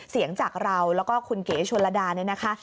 เสียงจากเราแล้วก็คุณเก๋ชุนลดานี่นะคะ